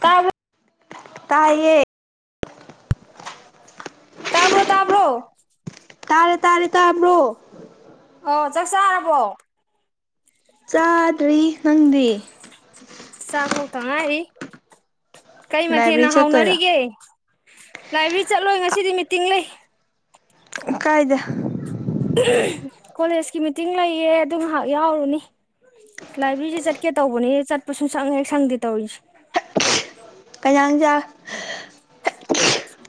ꯁꯥꯕ ꯇꯌꯦ ꯇꯥꯕ꯭ꯔꯣ ꯇꯥꯕ꯭ꯔꯣ ꯇꯥꯔꯦ ꯇꯥꯔꯦ ꯇ ꯍ꯭ꯔꯣ ꯑꯣ ꯆꯥꯛ ꯆꯥꯔꯕꯣ ꯆꯥꯗ꯭ꯔꯤ ꯅꯪꯗꯤ ꯆꯥꯛꯊꯣꯛꯇ [inaudible] ꯀꯩ ꯂꯥꯏꯕ꯭ꯔꯦꯔꯤ ꯃꯊꯦꯅ ꯆꯠꯇꯣꯏꯔꯣ ꯍꯥꯎꯅꯔꯤꯒ ꯂꯥꯏꯕ꯭ꯔꯦꯔꯤ ꯆꯠꯂꯣꯏ ꯉꯁꯤꯗꯤ ꯃꯤꯇꯤꯡ ꯂꯩ ꯀꯥꯏꯗ ꯀꯣꯂꯦꯖꯀꯤ ꯃꯤꯇꯤꯡ ꯂꯩꯌꯦ ꯑꯗꯨ ꯉꯥꯏꯍꯥꯛ ꯌꯥꯎꯔꯨꯅꯤ ꯂꯥꯏꯕ꯭ꯔꯦꯔꯤꯁ ꯆꯠꯀꯦ ꯇꯧꯕꯅꯤ ꯆꯠꯄꯁꯨ ꯁꯪꯉꯦ ꯁꯪꯗꯦ ꯇꯧꯔꯤꯁꯦ ꯀꯌꯥꯁ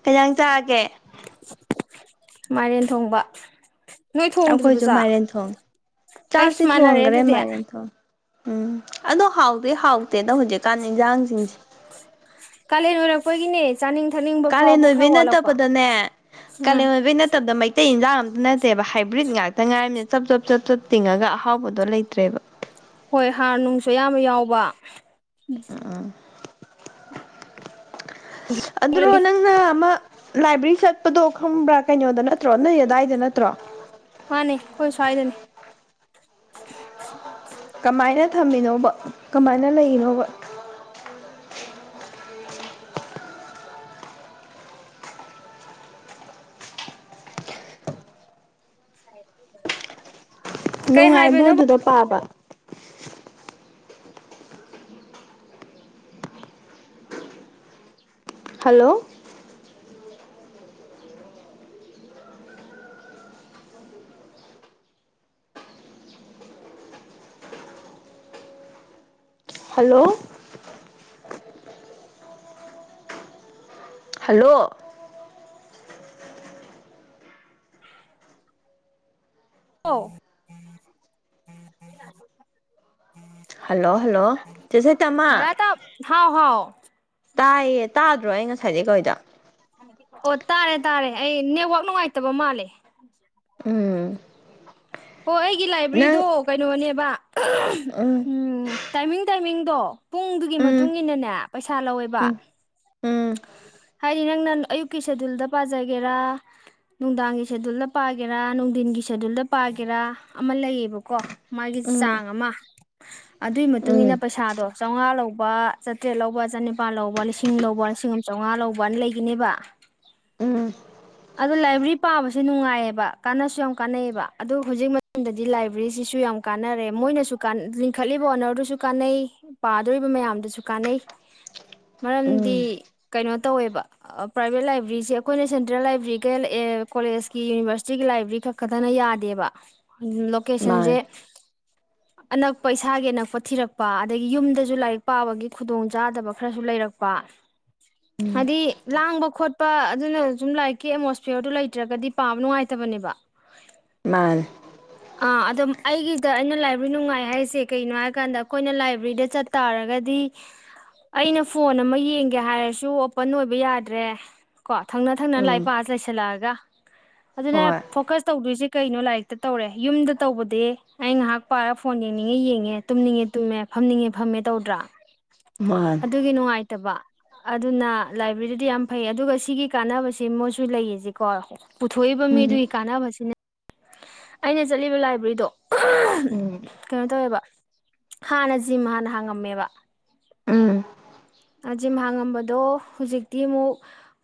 ꯀꯩꯖꯥꯡ ꯆꯥꯔꯒꯦ ꯃꯥꯏꯔꯦꯟ ꯊꯣꯡꯕ ꯅꯣꯏ ꯊꯣꯡꯗ꯭ꯔꯤꯕꯣ ꯑꯈꯣꯏꯁꯨ ꯆꯥꯛ ꯃꯥꯏꯔꯦꯟ ꯊꯣꯡꯉꯤ ꯆꯥꯛꯇꯤ ꯑꯩꯁ ꯃꯥꯟꯅꯔꯦ ꯊꯣꯡꯒ꯭ꯔꯦ ꯑꯗꯨꯗꯤ ꯃꯥꯏꯔꯦꯟ ꯊꯣꯡ ꯎꯝ ꯑꯗꯣ ꯍꯥꯎꯗꯤ ꯍꯥꯎꯇꯦꯗ ꯍꯧꯖꯤꯛꯀꯥꯟ ꯏꯟꯖꯥꯡꯁꯤꯡꯁꯦ ꯀꯂꯦꯟ ꯑꯣꯏꯔꯛꯄꯒꯤꯅꯦ ꯆꯥꯅꯤꯡ ꯊꯛꯅꯤꯡꯕ ꯀꯥꯂꯦꯟ ꯐꯥꯎꯕ ꯈꯔ ꯑꯣꯏꯕꯩ ꯋꯥꯠꯂꯛꯄ ꯅꯠꯇꯕꯗꯅꯦ ꯎꯝ ꯀꯥꯂꯦꯟ ꯑꯣꯏꯕꯩ ꯅꯠꯇꯕꯗ ꯃꯩ ꯇꯩ ꯏꯟꯖꯥꯡ ꯑꯝꯇ ꯅꯠꯇꯦꯕ ꯍꯥꯏꯕ꯭ꯔꯤꯠ ꯉꯥꯛꯇ ꯉꯥꯏꯔꯝꯅꯤꯅ ꯆꯞ ꯆꯞ ꯆꯞ ꯆꯞ ꯇꯤꯡꯉꯒ ꯑꯍꯥꯎꯕꯗꯣ ꯂꯩꯇ꯭ꯔꯦꯕ ꯍꯣꯏ ꯍꯥꯔ ꯅꯨꯡꯁꯨ ꯑꯌꯥꯝꯕ ꯌꯥꯎꯕ ꯑ [unintelligible] ꯑꯗꯨꯔꯣ ꯅꯪꯅ ꯑꯃ ꯂꯥꯏꯕ꯭ꯔꯦꯔꯤ ꯆꯠꯄꯗꯣ ꯈꯪꯕ꯭ꯔꯥ ꯀꯩꯅꯣꯗ ꯅ ꯎ ꯃꯥꯅꯤ ꯀꯣꯏ ꯁ꯭ꯋꯥꯏꯗꯅꯤ ꯀꯃꯥꯏꯅ ꯊꯝꯃꯤꯅꯣꯕ ꯀꯃꯥꯏꯅ ꯂꯩꯔꯤꯅꯣꯕ [unintelligible] ꯀꯩ ꯅꯨꯡꯉꯥꯏꯕ꯭ꯔꯣ ꯍꯥꯏꯕꯅꯣꯕ ꯑꯗꯨꯗ ꯄꯥꯕ hello hello hello [unintelligible] hello hello ꯆꯁꯣꯏ ꯇꯃ ꯕꯔꯥ ꯇꯥ ꯍꯥꯎ ꯍꯥꯎ ꯇꯥꯗ꯭ꯔꯣ ꯑꯩ ꯉꯁꯥꯏꯗꯩ ꯀꯧꯏꯗꯣ ꯑꯣ ꯇꯥꯔꯦ ꯇꯥꯔꯦ ꯑꯩ ꯅꯦꯠꯋꯥꯛ ꯅꯨꯡꯉꯥꯏꯇꯕ ꯃꯥꯜꯂꯦ ꯎꯝ ꯍꯣ ꯑꯩꯒꯤ ꯅꯪ ꯂꯥꯏꯕ꯭ꯔꯦꯔꯤꯗꯣ ꯀꯩꯅꯣꯅꯦꯕ ꯎꯝ ꯇꯥꯏꯃꯤꯡ ꯇꯥꯏꯃꯤꯡ [unintelligible] ꯄꯨꯡꯗꯨꯒꯤ ꯎꯝ ꯃꯇꯨꯡꯏꯟꯅꯅꯦ ꯄꯩꯁꯥ ꯂꯧꯋꯦꯕ ꯎꯝ ꯎꯝ ꯍꯥꯏ ꯁꯤ ꯅꯪꯅ ꯑꯌꯨꯛꯀꯤ ꯁꯦꯗꯨꯜꯗ ꯄꯥꯖꯒꯦꯔꯥ ꯅꯨꯡꯗꯥꯡꯒꯤ ꯁꯦꯗꯨꯜꯗ ꯄꯥꯒꯦꯔꯥ ꯅꯨꯡꯗꯤꯟꯒꯤ ꯁꯦꯗꯨꯜ ꯄꯥꯒꯦꯔꯥ ꯑꯃ ꯂꯩꯌꯦꯕꯀꯣ ꯃꯥꯒꯤ ꯆꯥꯡ ꯑꯃ ꯑꯗꯨꯏ ꯃꯇꯨꯡ ꯎꯝ ꯃꯇꯨꯡ ꯎꯝ ꯏꯟꯅ ꯄꯩꯁꯥꯗꯣ ꯆꯧꯉꯥ ꯂꯧ ꯂꯨꯄꯦ ꯆꯥꯇ꯭ꯔꯦꯠ ꯂꯧꯕ ꯆꯅꯤꯄꯥꯜ ꯂꯧꯕ ꯂꯤꯁꯤꯡ ꯂꯧꯕ ꯂꯤꯁꯤꯡ ꯑꯝ ꯆꯧꯉꯥ ꯂꯧꯕꯅ ꯂꯩꯒꯅꯦꯕ ꯎꯝ ꯑꯗꯣ ꯂꯥꯏꯕ꯭ꯔꯦꯔꯤ ꯄꯥꯕꯁꯦ ꯅꯨꯡꯉꯥꯏꯌꯦꯕ ꯀꯥꯟꯅꯁꯨ ꯌꯥꯝ ꯀꯥꯟꯅꯩꯕ ꯑꯗꯨꯣ ꯍꯧꯖꯤꯛ ꯃꯇꯝꯗꯗꯤ ꯂꯥꯏꯕ꯭ꯔꯦꯔꯤꯁꯤꯁꯨ ꯌꯥꯝ ꯀꯥꯟꯅꯔꯦ ꯃꯣꯏꯅꯁꯨ ꯂꯤꯡꯈꯠꯂꯤꯕ ꯑꯣꯅꯔꯗꯨꯁꯨ ꯀꯥꯟꯅꯩ ꯄꯥꯗꯣꯔꯤꯕ ꯃꯌꯥꯝꯗꯨꯁꯨ ꯀꯥꯟꯅꯩ ꯃꯔꯝꯗꯤ ꯎꯝ ꯀꯩꯅꯣ ꯇꯧꯋꯦꯕ ꯄ꯭ꯔꯥꯏꯕꯦꯠ ꯂꯥꯏꯕ꯭ꯔꯦꯔꯤꯁꯦ ꯑꯈꯣꯏꯅ ꯁꯦꯟꯇ꯭ꯔꯦꯜ ꯂꯥꯏꯕ꯭ꯔꯦꯔꯤꯈꯩ ꯀꯣꯂꯦꯖꯀꯤ ꯌꯨꯅꯤꯚꯔꯁꯤꯇꯤꯒꯤ ꯂꯥꯏꯕ꯭ꯔꯦꯔꯤ ꯈꯛ ꯈꯛꯇꯅ ꯌꯥꯗꯦꯕ ꯃꯥꯅꯦ ꯂꯣꯀꯦꯁꯟꯁꯦ ꯑꯅꯛꯄ ꯏꯁꯥꯒꯤ ꯑꯅꯛꯄ ꯊꯤꯔꯛꯄ ꯑꯗꯒꯤ ꯌꯨꯝꯗꯁꯨ ꯂꯥꯏꯔꯤꯛ ꯄꯥꯕꯒꯤ ꯈꯨꯗꯣꯡꯆꯥꯥꯗꯕ ꯈꯔꯁꯨ ꯂꯩꯔꯛꯄ ꯍꯥꯏꯗꯤ ꯂꯥꯡꯕ ꯈꯣꯠꯄ ꯄ ꯑꯗꯨꯅ ꯑꯁꯨꯝ ꯂꯥꯏꯔꯤꯛꯀꯤ ꯑꯦꯠꯃꯣꯁꯐꯤꯌꯔꯗꯨ ꯂꯩꯇ꯭ꯔꯒꯗꯤ ꯄꯥꯕ ꯅꯨꯡꯉꯥꯏꯇꯕꯅꯦꯕ ꯃꯥꯅꯦ ꯑ ꯑꯗ ꯑꯩꯒꯤ ꯑꯗ ꯑꯩꯅ ꯂꯥꯏꯕ꯭ꯔꯦꯔꯤ ꯅꯨꯡꯉꯥꯏ ꯍꯥꯏꯔꯤꯁꯦ ꯀꯒꯤꯅꯣ ꯍꯥꯏ ꯀꯥꯟꯗ ꯑꯩꯈꯣꯏꯅ ꯂꯥꯏꯕ꯭ꯔꯦꯔꯤꯗ ꯆꯠꯇꯥꯥꯔꯒꯗꯤ ꯑꯩꯅ ꯐꯣꯟ ꯑꯃ ꯌꯦꯡꯒꯦ ꯍꯥꯏꯔꯁꯨ ꯑꯣꯄꯟ ꯑꯣꯏꯕ ꯌꯥꯗ꯭ꯔꯦ ꯀꯣ ꯊꯪ ꯃꯊꯪꯛꯅ ꯂꯥꯏ ꯎꯝ ꯄꯥꯛꯑ ꯂꯩꯁꯜꯂꯛꯑꯒ ꯑꯗꯨꯅꯦ ꯍꯣꯏ ꯐꯣꯀꯁ ꯇꯧꯗꯣꯏꯁꯤ ꯀꯩꯅꯣ ꯂꯥꯏꯔꯤꯛꯇ ꯇꯧꯔꯦ ꯌꯨꯝꯗ ꯇꯧꯕꯗꯤ ꯑꯩ ꯉꯥꯏꯍꯥꯛ ꯄꯥꯔꯒ ꯐꯣꯟ ꯌꯦꯡꯅꯤꯡꯉꯦ ꯌꯦꯡꯉꯦ ꯇꯨꯝꯅꯤꯡꯉꯦ ꯇꯨꯝꯃꯦ ꯐꯝꯅꯤꯡꯉꯦ ꯐꯝꯃꯦ ꯇꯧꯗ꯭ꯔꯥ ꯃꯥꯅꯦ ꯑꯗꯨꯒꯤ ꯅꯨꯡꯉꯥꯏꯇꯕ ꯑꯗꯨꯅ ꯂꯥꯏꯕ꯭ꯔꯦꯔꯤꯗꯤ ꯌꯥꯝ ꯐꯩ ꯑꯗꯨꯒ ꯁꯤꯒꯤ ꯀꯥꯟꯅꯕꯁꯤ ꯁꯤ ꯃꯣꯏꯁꯨ ꯂꯩꯔꯤꯁꯤꯀꯣ ꯄꯨꯊꯣꯛꯏꯕ ꯎꯝ ꯃꯤꯗꯨꯒꯤ ꯀꯥꯟꯅꯕꯁꯤꯅꯦ ꯑꯩꯅ ꯆꯠꯂꯤꯕ ꯂꯥꯏꯕ꯭ꯔꯦꯔꯤꯗꯣ ꯎꯝ ꯀꯩꯅꯣ ꯇꯧꯋꯦꯕ ꯍꯥꯟꯅ ꯖꯤꯝ ꯍꯥꯟꯅ ꯍꯥꯡꯉꯝꯃꯦꯕ ꯎꯝ ꯖꯤꯝ ꯍꯥꯡꯉꯝꯕꯗꯣ ꯍꯧꯖꯤꯛꯇꯤ ꯑꯃꯨꯛ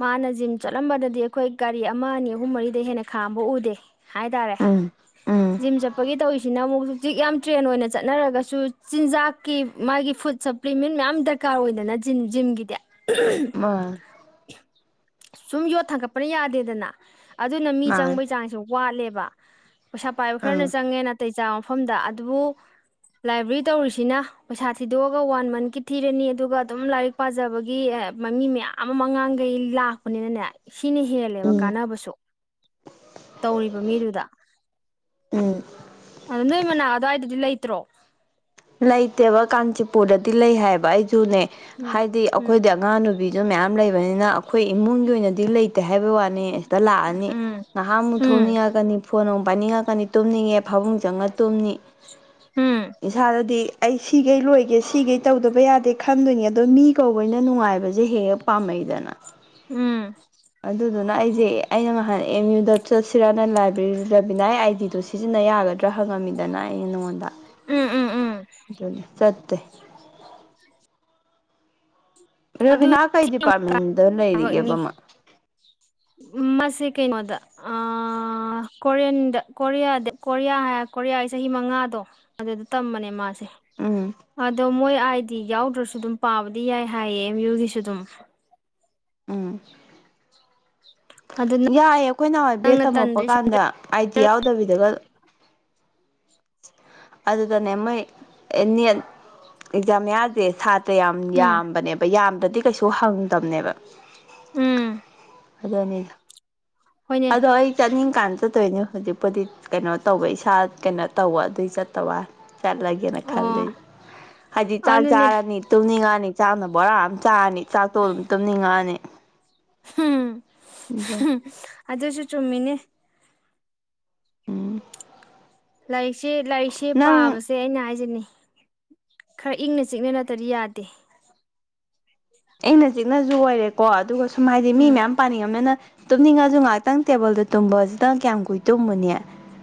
ꯃꯥꯅ ꯖꯤꯝ ꯆꯠꯂꯝꯕꯗꯗꯤ ꯑꯩꯈꯣꯏ ꯒꯥꯔꯤ ꯑꯃ ꯑꯅꯤ ꯑꯍꯨꯝ ꯃꯔꯤꯗ ꯍꯦꯟꯅ ꯈꯥꯝꯕ ꯎꯗꯦ ꯍꯥꯏꯇꯥꯔꯦ ꯎꯝ ꯎꯝ ꯖꯤꯝ ꯆꯠꯄꯒꯤ ꯇꯧꯔꯤꯁꯤꯅ ꯑꯃꯨꯛ ꯍꯧꯖꯤꯛ ꯌꯥꯝ ꯇ꯭ꯔꯦꯟ ꯑꯣꯏꯅ ꯆꯠꯅꯔꯒꯁꯨ ꯆꯤꯟꯖꯥꯛꯀꯤ ꯃꯥꯒꯤ ꯐꯨꯗ ꯁꯄ꯭ꯂꯤꯃꯦꯟ ꯃꯌꯥꯝ ꯗꯔꯀꯥꯔ ꯑꯣꯏꯗꯅ ꯖꯤꯝꯒꯤꯗꯤ ꯑ ꯁꯨꯝ ꯌꯣꯠ ꯊꯥꯡꯒꯠꯄꯅ ꯌꯥꯗꯦꯗꯅ ꯑꯗꯨꯅ ꯃꯤ ꯃꯥꯅꯦ ꯆꯪꯕꯩ ꯆꯥꯡꯁꯨ ꯋꯥꯠꯂꯦꯕ ꯋꯥ ꯄꯩꯁꯥ ꯄꯥꯏꯕ ꯎꯝ ꯈꯔꯅ ꯆꯪꯉꯦ ꯅꯥꯇꯩ ꯆꯥ ꯃꯐꯝꯗ ꯑꯗꯨꯕꯨ ꯂꯥꯏꯕ꯭ꯔꯦꯔꯤ ꯇꯧꯔꯤꯁꯤꯅ ꯄꯩꯁꯥ ꯊꯤꯗꯣꯛꯑꯒ ꯋꯥꯟ ꯃꯟꯠꯀꯤ ꯊꯤꯔꯅꯤ ꯑꯗꯨꯒ ꯑꯗꯨꯝ ꯂꯥꯏꯔꯤꯛ ꯄꯥꯖꯕꯒꯤ ꯃꯃꯤ ꯃꯌꯥꯝ ꯑꯃ ꯑꯉꯥꯡꯈꯩ ꯂꯥꯛ ꯑꯣꯅꯤꯅꯅꯦ ꯁꯤꯅ ꯍꯦꯜꯂꯦꯕ ꯎꯝ ꯀꯥꯟꯅꯕꯁꯨ ꯇꯧꯔꯤꯕ ꯃꯤꯗꯨꯗ ꯎꯝ ꯑ ꯅꯣꯏ ꯃꯅꯥ ꯑꯗꯨꯋꯥꯏꯗꯗꯤ ꯂꯩꯇ ꯀꯇ꯭ꯔꯣ ꯂꯩꯇꯦꯕ ꯀꯥꯟꯆꯤꯄꯨꯔꯗꯗꯤ ꯂꯩ ꯍꯥꯏꯕ ꯑꯩꯁꯨꯅꯦ ꯎꯝ ꯍꯥꯏꯗꯤ ꯎꯝ ꯑꯩꯈꯣꯏꯗꯤ ꯑꯉꯥꯡ ꯅꯨꯕꯤ ꯑꯗꯨ ꯃꯌꯥꯝ ꯂꯩꯕꯅꯤꯅ ꯑꯩꯈꯣꯏ ꯏꯃꯨꯡꯒꯤ ꯑꯣꯏꯅꯗꯤ ꯂꯩ ꯇ ꯍꯥꯏꯕ ꯑꯅꯤ ꯇ ꯂꯥꯛꯑꯅꯤ ꯎꯝ ꯉꯥꯏꯍꯥꯛ ꯑꯃꯨꯛ ꯎꯝ ꯊꯣꯡꯅꯤꯡꯉꯛꯒꯅꯤ ꯐꯣꯟ ꯑꯃꯛ ꯄꯥꯅꯤꯡꯉꯛꯀꯅꯤ ꯇꯨꯝꯅꯤꯡꯉꯦ ꯐꯥꯃꯨꯡ ꯆꯪꯉ ꯇꯨꯝꯅꯤ ꯍꯝ ꯏꯁꯥꯗꯗꯤ ꯑꯩ ꯁꯤꯈꯩ ꯂꯣꯏꯒꯦ ꯁꯤꯈꯩ ꯇꯧꯗꯕ ꯌꯥꯗꯦ ꯈꯟꯗꯣꯏꯅꯤ ꯑꯗꯣ ꯃꯤ ꯀꯧꯕꯩꯅ ꯅꯨꯡꯉꯥꯏꯕꯁꯦ ꯍꯦꯛꯦꯛ ꯄꯥꯝꯃꯛꯩꯗꯅ ꯎꯝ ꯑꯗꯨꯅ ꯑꯩꯁꯦ ꯑꯩꯅ ꯅꯍꯥꯟ ꯑꯦꯝ ꯌꯨ ꯗ ꯆꯠꯁꯤꯔꯥꯅ ꯂꯥꯏꯕ꯭ꯔꯦꯔꯤꯗꯕꯤꯅ ꯑꯩ ꯑꯥꯏ ꯗꯤꯗꯣ ꯁꯤꯖꯤꯟꯅ ꯌꯥꯒꯗ꯭ꯔꯥ ꯍꯪꯉꯝꯃꯤꯗꯅ ꯑꯩꯅ ꯅꯉꯣꯟꯗ ꯎꯝ ꯎꯝ ꯎꯝ ꯆꯠꯠꯇ ꯑꯗꯨ ꯔꯕꯤꯅꯥ ꯀꯩ ꯗꯤꯄꯥꯔꯠꯃꯦꯟꯗ ꯂꯩꯔꯤꯒꯦꯕ ꯊꯕꯛꯅꯤ ꯑꯃ ꯁꯤ ꯀꯩꯅꯣꯗ ꯀꯣꯔꯤꯌꯟꯗ ꯀꯣꯔꯤꯌꯥꯗ ꯀꯣꯔꯤꯌꯥ ꯍꯥꯏ ꯀꯣꯔꯤꯌꯥꯒꯤ ꯆꯍꯤ ꯃꯉꯥꯗꯣ ꯑꯗꯨꯗ ꯇꯝꯕꯅꯦ ꯃꯥꯁꯦ ꯎꯝ ꯑꯗꯣ ꯃꯣꯏ ꯑꯥꯏꯗꯤ ꯌꯥꯎꯗ꯭ꯔꯁꯨ ꯑꯗꯨꯝ ꯄꯥꯕꯗꯤ ꯌꯥꯏ ꯇꯌꯦ ꯌꯨꯒꯁꯨ ꯇꯝ ꯎꯝ ꯑꯗꯨ ꯌꯥꯏꯌꯦꯦ ꯑꯩꯈꯣꯏ ꯅꯍꯍꯋꯥꯏ ꯕꯦꯠ ꯅꯪꯅ ꯇꯝꯃꯛꯄ ꯇꯟꯗ꯭ꯔꯤꯁꯦ ꯀꯥꯟꯗ ꯑꯥꯏꯗꯤꯤ ꯌꯥꯎꯗꯕꯤꯗꯒ [inaudible] ꯑꯗꯨꯗꯅꯦ ꯃꯣꯏ ꯅꯦꯠ ꯑꯦꯛꯖꯥꯝ ꯌꯥꯗꯦ ꯁꯥꯇ ꯇ ꯌꯥꯝ ꯎꯝ ꯌꯥꯝꯕꯅꯦꯕ ꯌꯥꯝ ꯗꯗꯤ ꯀꯩꯁꯨ ꯍꯪꯗꯝꯕꯅꯦꯕ ꯎꯝ ꯑꯗꯨꯅꯦ ꯍꯣꯏꯅꯦ ꯑꯗꯣꯣꯏꯅꯤ ꯀꯥꯟꯦ ꯆꯠꯇꯣꯏꯅꯤ ꯍꯧꯖꯤꯛꯄꯨꯗꯤ ꯀꯩꯅꯣ ꯇꯧꯕ ꯏꯁꯥ ꯀꯩꯅꯣ ꯇꯧꯕ ꯑꯗꯨꯏ ꯆꯠꯇꯕꯏ ꯆꯜ ꯂꯒꯅ ꯈꯜ ꯑꯣ ꯂꯩ ꯍꯥꯖꯤ ꯇ ꯑꯗꯨꯅꯦ ꯆꯥꯅꯤ ꯇꯨꯅꯤ ꯆꯅꯤ ꯆꯥꯛꯅ ꯕꯣꯔꯥ ꯑꯃ ꯆꯥꯔꯅꯤ ꯆꯥꯛꯇꯣ ꯑꯗꯨꯝ ꯇꯨꯝꯅꯤꯡꯉꯛꯑꯅꯤ [inaudible] ꯑꯗꯨꯁꯨ ꯆꯨꯝꯃꯤꯅꯦ ꯎꯝ ꯂꯥꯏ ꯛ ꯁꯤ ꯂꯥꯏꯔꯤꯛꯁꯤ ꯄꯥꯕꯁꯦ ꯑꯩꯅ ꯍꯥꯏꯖꯅꯤꯡꯏ ꯈꯔ ꯏꯪꯅ ꯆꯤꯛꯅ ꯅꯇꯗꯤ ꯌꯥꯗꯦ ꯑꯩꯅ ꯆꯤꯛꯅꯁꯨ ꯑꯣꯏꯔꯦꯀꯣ ꯑꯗꯨꯒ ꯁꯨꯝ ꯍꯥꯏꯗꯤ ꯃꯤ ꯎꯝ ꯃꯌꯥꯝ ꯄꯥꯅꯤꯡꯉꯝꯅꯤꯅ ꯇꯨꯝꯅꯤꯡꯉꯁꯨ ꯉꯥꯏꯍꯥꯛꯇꯪ ꯇꯦꯕꯜꯗ ꯇꯨꯝꯕꯁꯤꯗꯪ ꯀꯌꯥꯝ ꯀꯨꯏ ꯇꯨꯝꯕꯅꯦ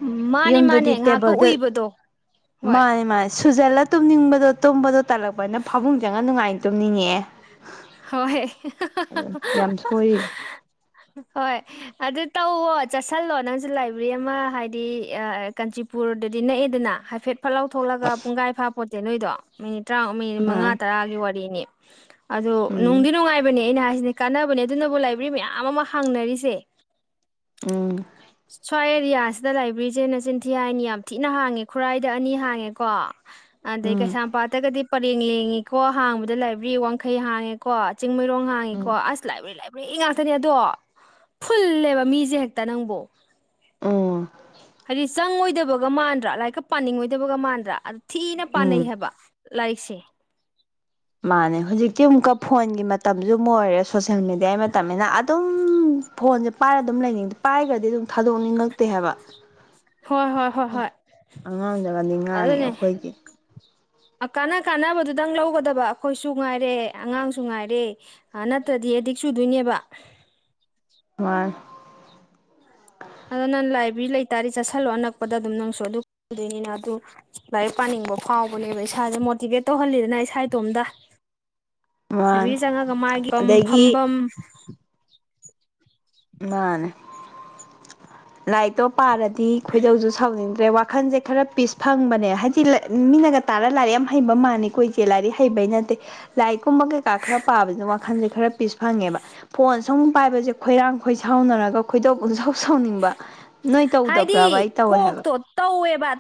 ꯎ ꯃꯥꯅꯦ ꯃꯥꯅꯦ ꯉꯥꯏꯍꯥꯛꯀ ꯎꯏꯕꯗꯣ ꯍꯣꯏ ꯃꯥꯅꯦ ꯃꯥꯥꯏ ꯁꯨꯖꯦꯂ ꯇꯨꯝꯅꯤꯡꯕꯗꯣ ꯇꯨꯝꯝꯕꯗꯣ ꯇꯜꯂꯛꯄꯅ ꯐꯃꯨꯡ ꯆꯡꯉꯥ ꯅꯨꯡꯉꯥꯏ ꯇꯨꯝꯅꯤꯡꯉꯑꯦ ꯍꯣꯏ ꯌꯥꯝ ꯁꯣꯏꯔꯤꯁꯦ ꯍꯣꯏ ꯑꯗꯨ ꯇꯧꯋꯣ ꯆꯠꯁꯤꯜꯂꯣ ꯅꯪꯁꯨ ꯂꯥꯏꯕ꯭ꯔꯤ ꯑꯃ ꯍꯥꯏꯗꯤ ꯀꯥꯟꯆꯤꯄꯨꯔꯗꯗꯤ ꯅꯛꯑꯦꯗꯅ ꯍꯥꯏꯐꯦꯠ ꯐꯠ ꯂꯧꯎ ꯊꯣꯛꯂꯒ ꯄꯨꯡꯈꯥꯏ ꯐꯥ [unintelligible] ꯇꯔꯥ ꯃꯤꯅꯤꯠ ꯃꯉꯥ ꯃꯥꯅꯦ ꯇꯔꯥꯒꯤ ꯋꯥꯔꯤꯅꯤ ꯑꯗꯨ ꯎꯝ ꯅꯨꯡꯗꯤ ꯅꯨꯡꯉꯥꯏꯕꯅꯦ ꯑꯩꯅ ꯍꯥꯏ ꯀꯥꯟꯅꯕꯅꯦ ꯑꯗꯨꯅꯕꯨ ꯂꯥꯏꯕ꯭ꯔꯤ ꯃꯌꯥꯝ ꯑꯃ ꯍꯥꯡꯅꯔꯤꯁꯦ ꯎꯝ ꯁ꯭ꯋꯥꯏ ꯑꯦꯔꯤꯌꯥꯁꯤꯗ ꯂꯥꯏꯕ꯭ꯔꯤꯁꯦ ꯅꯆꯤꯟꯊꯤ ꯍꯥꯏꯅꯤ ꯌꯥꯝ ꯊꯤꯅ ꯍꯥꯡꯉꯦ ꯈꯨꯔꯥꯏꯗ ꯑꯅꯤ ꯍꯥꯡꯉꯦꯀꯣ ꯑꯗꯩꯩ ꯎꯝ ꯀꯩꯁꯥꯡꯝ ꯄꯥꯠ ꯇꯒꯗꯤ ꯄꯔꯡꯂ ꯂꯦꯡꯉꯦ ꯀꯣ ꯍꯥꯡꯕꯗ ꯂꯥꯏꯕ꯭ꯔꯤ ꯋꯥꯡꯈꯩ ꯍꯥꯡꯉꯦꯀꯣ ꯆꯤꯡꯃꯔꯣꯡ ꯎꯝ ꯍꯥꯡꯉꯤꯀꯦ ꯑꯁ ꯂꯥꯏꯕꯔ꯭ꯤ ꯂꯥꯏ꯭ꯕꯔꯤ ꯉ__ ꯉꯥꯛꯛꯇꯅꯤ ꯑꯗꯣ ꯐꯨꯜꯂꯦꯕ ꯃꯤꯁꯦ ꯍꯦꯛꯇ ꯅꯪꯕꯨ ꯑꯣ ꯍꯥꯏꯗꯤ ꯆꯪꯉꯣꯏꯗꯕꯒ ꯃꯥꯟꯗ꯭ꯔꯥ ꯂꯥꯏꯔꯤꯛꯀ ꯄꯥꯅꯤꯡꯉꯣꯏꯗꯕꯒ ꯃꯥꯟ__ ꯗ꯭ꯔ ꯑ ꯊꯤꯅ ꯎꯝ ꯄꯥꯟꯅꯩ ꯍꯥꯏꯕ ꯂꯥꯏꯔꯤꯛꯁꯦ ꯃꯥꯅꯦ ꯍꯧꯖꯤꯛ ꯇꯤ ꯑꯃꯨꯛꯀ ꯐꯣꯟꯒꯤ ꯃꯇꯝꯁꯨ ꯃꯣꯏꯔꯦ ꯁꯣꯁꯌꯦꯜ ꯃꯦꯗꯤꯌꯥꯏ ꯃꯇꯝꯃꯦꯅ ꯑꯗꯨꯝ ꯐꯣꯟꯁꯦ ꯄꯥꯏꯔꯒ ꯑꯗꯨꯝ ꯂꯩꯅꯤꯡ ꯄꯥꯏꯈ꯭ꯔꯗꯤ ꯑꯗꯨꯝ ꯊꯥꯗꯣꯛꯅꯤꯡꯉꯛꯇꯦ ꯍꯥꯏꯕ ꯍꯣꯏ ꯍꯣꯏ ꯍꯣꯏ ꯍꯣꯏ ꯑꯉꯥꯡꯗꯒꯗꯤ ꯉꯥꯡꯉꯤ ꯑꯗꯨꯅꯦ ꯑꯩꯈꯣꯏꯗꯤ ꯀꯥꯟꯅ ꯀꯥꯟꯅꯕꯗꯨꯗꯪ ꯂꯧꯒꯗꯕ ꯑꯩꯈꯣꯏꯁꯨ ꯉꯥꯏꯔꯦ ꯑꯉꯥꯡꯁꯨ ꯉꯥꯏꯔꯦ ꯅꯠꯇ꯭ꯔꯗꯤ ꯑꯦꯗꯤꯛ ꯆꯨꯗꯣꯏꯅꯦꯕ ꯃꯅꯤ꯫ ꯑꯗꯨ ꯅꯪ ꯂꯥꯏꯕꯔꯤ ꯂꯩꯇꯥꯔꯗꯤ ꯆꯠꯁꯤꯜꯂꯣ ꯑꯅꯛꯄꯗ ꯑꯗꯨꯝ ꯅꯪꯁꯨ ꯑꯗꯨ [unintelligible] ꯑꯗꯨ ꯂꯥꯏꯔꯤꯛ ꯄꯥꯅꯤꯡꯕ ꯐꯥꯎꯕꯅꯦꯕ ꯏꯁꯥꯁꯦ ꯃꯣꯇꯤꯚꯦꯠ ꯇꯧꯍꯜꯂꯤꯗꯅ ꯏꯁꯥ ꯏꯇꯣꯝꯇ ꯃꯥꯅꯦ ꯂꯥꯏꯕꯔ꯭ꯤ ꯆꯪꯉꯒ ꯃꯥꯒꯤ ꯑꯗꯒꯤ ꯐꯝꯕ ꯃꯥꯅꯦ ꯂꯥꯏꯔꯤꯛꯇꯣ ꯄꯥꯔꯗꯤ ꯈꯣꯏꯗꯧꯁꯨ ꯁꯥꯎꯅꯤꯡꯗ꯭ꯔꯦ ꯋꯥꯈꯜꯁꯦ ꯈꯔ ꯄꯤꯁ ꯐꯪꯕꯅꯦ ꯍꯥꯏꯗꯤ ꯃꯤꯅꯒ ꯇꯥꯔ ꯂꯥꯏꯔꯤꯛ ꯌꯥꯝ ꯍꯩꯕ ꯃꯥꯥꯟꯅꯤ ꯀꯨꯏꯁꯦ ꯂꯥꯏꯔꯤꯛ ꯍꯩꯕꯩ ꯅꯠꯇꯦ ꯂꯥꯏꯔꯤꯛ ꯀꯨꯝꯕ ꯀꯩꯀꯥ ꯈꯔ ꯄꯥꯕꯕꯁꯤꯅ ꯋꯥꯈꯜꯁꯦ ꯈꯔ ꯄꯤꯁ ꯐꯪꯉꯦꯕ ꯐꯣꯟ ꯁꯨꯝ ꯄꯥꯏꯕꯁꯦ ꯈꯣꯏꯔꯥꯡ ꯈꯣꯏ ꯁꯥꯎꯅꯔꯒ ꯈꯣꯏꯗꯧ ꯄꯨꯡꯁꯥꯎ ꯁꯥꯎꯅꯤꯡꯕ ꯅꯣꯏ ꯇꯧꯗꯕ꯭ꯔꯥꯕ ꯑꯩ ꯍꯥꯏꯗꯤ ꯇꯧꯋꯦ ꯍꯥꯏꯕ ꯀꯣꯛꯇꯣ ꯇꯧꯋꯦꯕ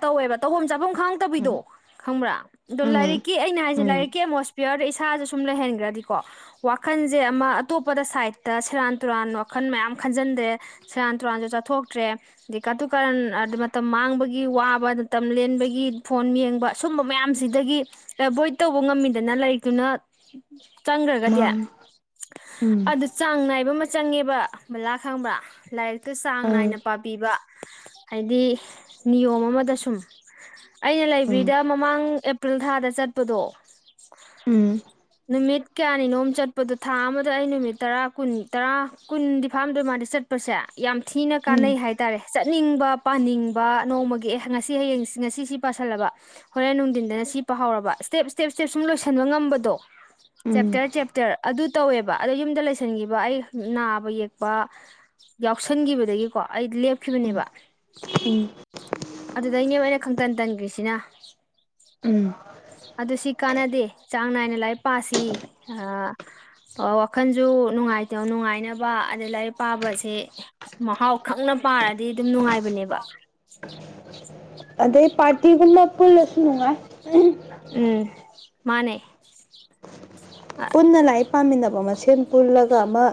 ꯇꯧꯕꯥꯝ ꯆꯕꯥꯝ ꯈꯥꯡꯗꯕꯤꯗꯣ ꯎꯝ ꯈꯪꯕ꯭ꯔꯥ ꯑꯗꯣ ꯎꯝ ꯂꯥꯏꯔꯤꯛꯀꯤ ꯑꯩꯅ ꯍꯥꯏꯁꯦ ꯎꯝ ꯂꯥꯏꯔꯤꯛꯀꯤ ꯑꯃꯣꯁ__ ꯄꯤꯌꯔꯗ ꯏꯁꯥꯥꯁꯦ ꯁꯨꯝ ꯂꯩꯍꯟꯈ꯭ꯔꯗꯤꯀꯣ ꯋꯥꯈꯜꯁꯦ ꯑꯃ ꯑꯇꯣꯞꯄꯗ ꯁꯥꯏꯗꯠꯇ ꯁꯦꯔꯥꯟ ꯇꯨꯔꯥꯟ ꯋꯥꯈꯜ ꯃꯌꯥꯝ ꯈꯟꯖꯟꯗ꯭ꯔꯦ ꯁꯦꯔꯥꯟ ꯇꯨꯔꯥꯟꯁꯨ ꯆꯥꯊꯣꯛꯇ꯭ꯔꯦ ꯀꯥꯇꯨ ꯀꯥꯔꯟ ꯑꯗ ꯃꯇꯝ ꯃꯥꯡꯕꯒꯤ ꯋꯥꯕ ꯃꯇꯝ ꯂꯦꯟꯕꯒꯤ ꯐꯣꯟ ꯌꯦꯡꯕ ꯁꯨꯝꯕ ꯃꯌꯥꯝꯁꯤꯗꯒꯤ ꯑꯦꯚꯣꯏꯠ ꯇꯧꯕ ꯉꯝꯃꯤꯗꯅ ꯂꯩꯇꯨꯅ ꯆꯪꯈ꯭ꯔꯒꯗꯤ ꯃꯥꯅꯤ ꯎꯝ ꯑꯗꯨ ꯆꯥꯡ ꯅꯥꯏꯕ ꯆꯪꯉꯦꯕ ꯕꯂꯥ ꯈꯪꯕ꯭ꯔꯥ ꯂꯥꯏꯔꯤꯛ ꯇꯨ ꯆꯥꯡ ꯑꯥ ꯅꯥꯏꯅ ꯍꯥꯏꯗꯤ ꯅꯤꯌꯣꯝ ꯑꯃꯗ ꯁꯨꯝ ꯑꯩꯅ ꯎꯝ ꯂꯥꯏꯕ꯭ꯔꯤꯗ ꯃꯃꯥꯡ ꯑꯦ ꯄ꯭ꯔꯤꯜ ꯊꯥꯗ ꯆꯠꯄꯗꯣ ꯎꯝ ꯅꯨꯃꯤꯠ ꯀꯌꯥꯅꯤꯅꯣꯝ ꯆꯠꯄꯗꯣ ꯊꯥ ꯑꯃꯗ ꯑꯩ ꯅꯨꯃꯤꯠ ꯇꯔꯥ ꯀꯨꯟ ꯇꯔꯥ ꯀꯨꯟꯗꯤ ꯐꯥꯝꯗꯣꯏ ꯃꯥꯗꯤ ꯆꯠꯄꯁꯦ ꯌꯥꯝ ꯊꯤꯅ ꯎꯝ ꯀꯥꯟꯅꯩ ꯍꯥꯏꯇꯥꯔꯦ ꯆꯠ ꯆꯠꯅꯤꯡꯕ ꯄꯥꯅꯤꯡꯕ ꯅꯣꯡꯃꯒꯤ ꯑꯦ ꯉꯁꯤ ꯍꯌꯦꯡ ꯉꯁꯤ ꯁꯤ ꯄꯁꯤꯜꯂꯕ ꯍꯣꯔꯦꯟ ꯅꯨꯡꯊꯤꯟꯗꯅ ꯁꯤ ꯄꯥꯍꯧꯔꯕ ꯏꯁ꯭ꯇꯦꯞ ꯏꯁ꯭ꯇꯦꯞ ꯏꯁ꯭ꯇꯦꯞ ꯁꯨꯝ ꯂꯣꯏꯁꯤꯟꯕ ꯉꯝꯕꯗꯣ ꯎꯝ ꯎꯝ ꯆꯦꯞꯇꫪ ꯆꯦꯞꯇꫪ ꯑꯗꯨ ꯇꯧꯋꯦꯕ ꯑꯗꯣ ꯌꯨꯝꯗ ꯂꯩꯁꯤꯟꯈꯤꯕ ꯑꯩ ꯅꯥꯕ ꯌꯦꯛꯄ ꯌꯥꯎꯁꯟꯈꯤꯕꯗꯒꯤꯀꯣ ꯑꯩ ꯂꯦꯞ ꯎꯝ ꯈꯤꯕꯅꯦꯕ ꯑꯗꯨꯗꯩꯅꯦꯕ ꯑꯣꯏꯅ ꯈꯪꯇꯟ ꯇꯟꯒ꯭ꯔꯤꯁꯤꯅ ꯎꯝ ꯀꯥꯟꯅꯗꯦ ꯆꯥꯡ ꯅꯥꯏꯅ ꯂꯥꯏꯔꯤꯛ ꯄꯥꯁꯤ ꯋꯥꯈꯜꯁꯨ ꯅꯨꯡꯉꯥꯏꯇ ꯅꯨꯡꯉꯥꯏꯅꯕ ꯑꯗꯩ ꯂꯥꯏꯔꯤꯛ ꯄꯥꯕꯁꯦ ꯃꯍꯥꯎ ꯈꯪꯅ ꯄꯥꯔꯗꯤ ꯑꯗꯨꯝ ꯅꯨꯡꯉꯥꯏꯕꯅꯦꯕ ꯑꯗꯩ ꯄꯥꯇꯤꯒꯨꯝꯕ ꯄꯨꯜꯂꯁꯨ ꯅꯨꯉꯥꯏ ꯎꯝ ꯃꯥꯅꯦ ꯄꯨꯟꯅ ꯂꯥꯏꯔꯤꯛ ꯄꯥꯃꯤꯟꯅꯕ ꯃꯁꯦꯟ ꯄꯨꯜꯂꯒ ꯑꯃ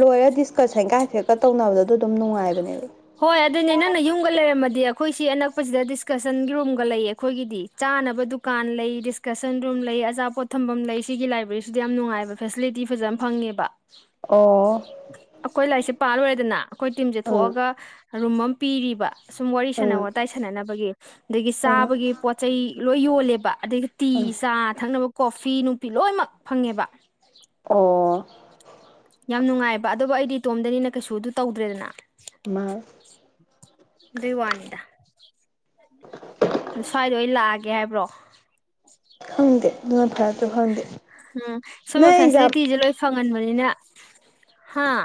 ꯂꯣꯏꯔ ꯗꯤꯁꯀꯁꯟꯒ ꯍꯥꯏꯐꯦꯠꯀ ꯇꯧꯅꯕꯗꯣ ꯑꯗꯨꯗꯨꯝ ꯅꯨꯡꯉꯥꯏꯕꯅꯦꯕ ꯍꯣꯏ ꯑꯗꯨ ꯅꯪꯅ ꯌꯨꯝꯒ ꯂꯩꯔꯝꯃꯗꯤ ꯑ ꯑꯩꯈꯣꯏ ꯁꯤ ꯑꯅꯛꯄꯁꯤꯗ ꯗꯤꯁꯀꯁꯟꯒꯤ ꯔꯨꯝꯒ ꯂꯩꯌꯦ ꯑꯩꯈꯣꯏꯒꯤꯗꯤ ꯆꯥꯅꯕ ꯗꯨꯀꯥꯟ ꯂꯩ ꯗꯤꯁꯀꯁꯟ ꯔꯨꯝ ꯂꯩ ꯑꯆꯥꯄꯣꯠ ꯊꯝꯐꯝ ꯂꯩ ꯁꯤꯒꯤ ꯂꯥꯏꯕ꯭ꯔꯦꯔꯤꯁꯤꯗ ꯌꯥꯝ ꯅꯨꯡꯉꯥꯏꯕ ꯐꯦꯁꯤꯂꯤꯇꯤ ꯐꯖꯅ ꯐꯪꯉꯦꯕ ꯑꯣ ꯑꯀꯣꯏ ꯂꯥꯏꯁꯤ ꯄꯥ ꯂꫭꯏꯔꯦꯗꯅ ꯑꯩꯈꯣꯏ ꯇꯤꯝꯁꯦ ꯎꯝ ꯊꯣꯛꯑꯒ ꯔꯨꯝ ꯑꯃ ꯄꯤꯔꯤꯕ ꯁꯨꯝ ꯋꯥꯔꯤ ꯁꯥꯟꯅꯕ ꯎꯝ ꯋꯥꯇꯥꯏ ꯁꯥꯟꯅꯅꯕꯒꯤ ꯑꯗꯒꯤ ꯎꯝ ꯆꯥꯕꯒꯤ ꯄꯣꯠ ꯆꯩ ꯂꯣꯏ ꯌꯣꯜꯂꯦꯕ ꯑꯗꯒꯤ ꯇꯤ ꯎꯝ ꯆꯥ ꯊꯛꯅꯕ ꯀꯣꯐꯤ ꯅꯨꯄꯤ ꯂꯣꯏꯅꯃꯛ ꯐꯪꯉꯦꯕ ꯑꯣ ꯌꯥꯝ ꯅꯨꯡꯉꯥꯏꯕ ꯑꯗꯨꯕꯨ ꯑꯩꯗꯤ ꯏꯇꯣꯝꯗꯅꯤꯅ ꯀꯩꯁꯨ ꯑꯗꯨ ꯇꯧꯗ꯭ꯔꯦꯗꯅ ꯃꯥ ꯑꯗꯨꯏ ꯋꯥꯅꯤꯗ ꯑ ꯁ꯭ꯋꯥꯏꯗ ꯑꫭꯏ ꯂꯥꯛꯑꯒꯦ ꯍꯥꯏꯕ꯭ꯔꯣ ꯈꯪꯗꯦ ꯑꯗꯨꯅ ꯐꯔꯗ꯭ꯔ ꯈꯪꯗꯦ ꯎꯝ ꯁꯨꯝꯕ ꯅꯪ ꯑꯦꯛꯖꯥꯝ ꯐꯦꯁꯤꯂꯤꯇꯤꯁꯦ ꯂꯣꯏ ꯐꯪ ꯍꯟꯕꯅꯤꯅ ꯍꯥꯥ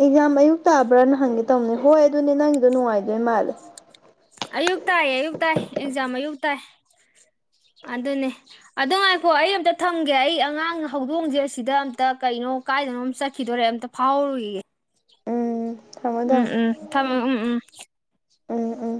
ꯑꯦꯛꯖꯥꯝ ꯑꯌꯨꯛ ꯇꯥꯕ꯭ꯔꯥꯅ ꯍꯪꯒꯦ ꯇꯧꯅꯦ ꯍꯣꯏ ꯑꯗꯨꯅꯦ ꯅꯪꯒꯤꯗꯣ ꯅꯨꯡꯉꯥꯏꯗꯣꯏ ꯃꯥꯜꯂꯦ ꯑꯌꯨꯛ ꯇꯥꯏꯌꯦ ꯑꯌꯨꯛ ꯇꯥꯏ ꯑꯦꯛꯖꯥꯝ ꯑꯌꯨꯛ ꯇꯥꯏ ꯑꯗꯨꯅꯦ ꯑꯗꯨ ꯉꯥꯏꯈꯣ ꯑꯩ ꯑꯝꯇ ꯊꯝꯒꯦ ꯑꯩ ꯑꯉꯥꯡ ꯍꯧꯗꯣꯡꯁꯦ ꯑꯁꯤꯗ ꯑꯝꯇ ꯀꯩꯅꯣ ꯀꯥꯏꯗꯅꯣ ꯑꯃ ꯆꯠꯈꯤꯗꯣꯔꯦ ꯑꯝꯇ ꯐꯥꯎꯍꯧꯔꯨꯒꯤꯒꯦ ꯎꯝ ꯊꯝꯃꯣ ꯎꯝ ꯊꯝꯃꯣ ꯎꯝ ꯊꯝꯃꫭ ꯎꯝ ꯎꯝ ꯎꯝ ꯎꯝ